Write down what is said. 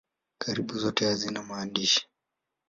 Karibu zote hazina maandishi.